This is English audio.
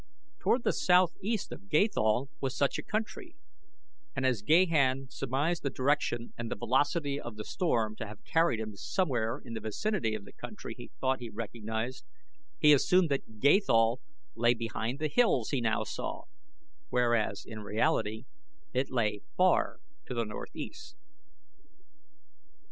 Toward the southeast of Gathol was such a country, and as Gahan surmised the direction and the velocity of the storm to have carried him somewhere in the vicinity of the country he thought he recognized, he assumed that Gathol lay behind the hills he now saw, whereas, in reality, it lay far to the northeast.